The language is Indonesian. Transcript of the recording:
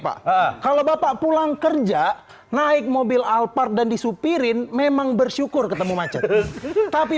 pak kalau bapak pulang kerja naik mobil alphard dan disupirin memang bersyukur ketemu macet tapi